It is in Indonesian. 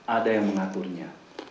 ada yang mengakurnya